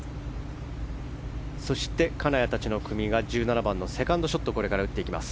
そして、金谷たちの組が１７番のセカンドショットをこれから打っていきます。